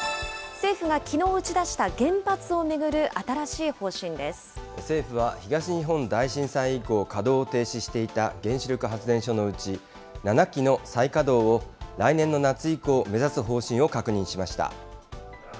政府がきのう打ち出した原発を巡政府は東日本大震災以降、稼働を停止していた原子力発電所のうち、７基の再稼働を来年の夏以降、目指す方針を確認しました。